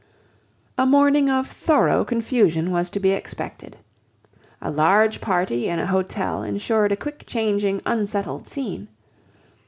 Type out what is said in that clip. A morning of thorough confusion was to be expected. A large party in an hotel ensured a quick changing, unsettled scene.